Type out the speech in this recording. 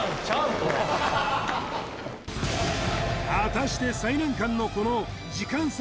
これ果たして最難関のこの時間差